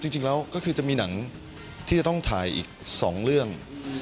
จริงแล้วก็คือจะมีหนังที่จะต้องถ่ายอีก๒เรื่อง